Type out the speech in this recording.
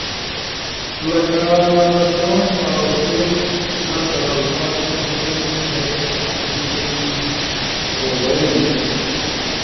لکہ ” “don’t” اؤ “we’re” شان در الفاظ متن در شامل تھو بئینو۔